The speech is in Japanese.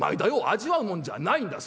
味わうものじゃないんだ。